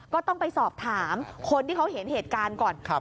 ก็ต้องไปสอบถามคนที่เขาเห็นเหตุการณ์ก่อน